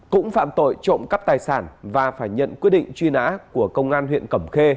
cũng phạm tội trộm cắp tài sản và phải nhận quyết định truy nã của công an huyện cẩm khê